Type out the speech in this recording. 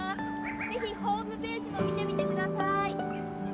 ぜひホームページも見てみてください。